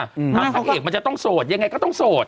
พระเอกมันจะต้องโสดยังไงก็ต้องโสด